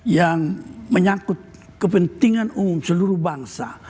yang menyangkut kepentingan umum seluruh bangsa